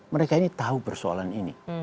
mereka ini tahu persoalan ini